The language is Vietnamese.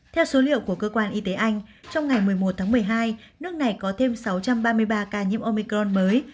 theo số liệu của cơ quan y tế anh trong ngày một mươi một tháng một mươi hai nước này có thêm sáu trăm ba mươi ba ca nhiễm omicron mới